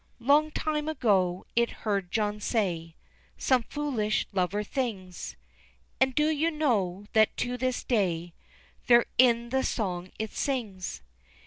_ Long time ago it heard John say Some foolish lover things, And do you know that to this day They're in the song it sings.